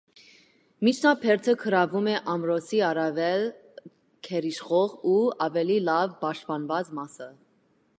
Միջնաբերդը գրավում է ամրոցի առավել գերիշխող ու ավելի լավ պաշտպանված մասը։